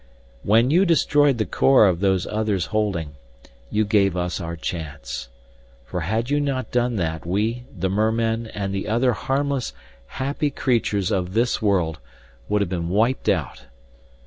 "When you destroyed the core of Those Other's holding, you gave us our chance. For had you not done that we, the mermen, the other harmless, happy creatures of this world, would have been wiped out.